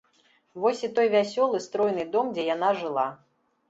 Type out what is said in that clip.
Вось і той вясёлы стройны дом, дзе яна жыла.